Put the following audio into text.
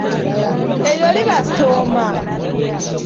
Eryo liba ttooma.